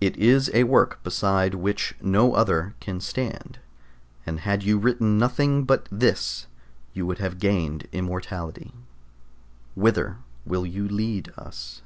It is a work beside which no other can stand, and had you written nothing but this you would have gained immortality. Whither will you lead us?